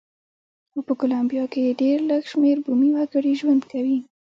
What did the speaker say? خو په کولمبیا کې ډېر لږ شمېر بومي وګړي ژوند کوي.